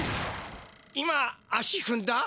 今足ふんだ？